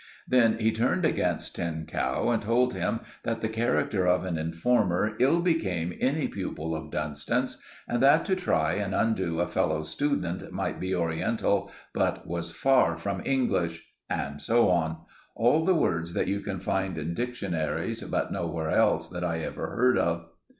Then he turned against Tinned Cow, and told him that the character of an informer ill became any pupil of Dunstan's, and that to try and undo a fellow student might be Oriental but was far from English, and so on—all in words that you can find in dictionaries, but nowhere else that I ever heard of.